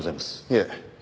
いえ。